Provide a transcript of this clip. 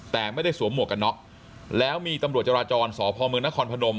แต่ไม่ได้สวมหมวกกันน็อกแล้วมีตำรวจจราจรสพมนครพนม